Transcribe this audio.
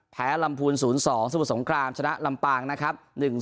ลำพูน๐๒สมุทรสงครามชนะลำปางนะครับ